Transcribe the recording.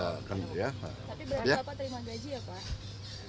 tapi berarti bapak terima gaji ya pak